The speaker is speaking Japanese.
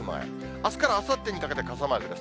あすからあさってにかけて傘マークです。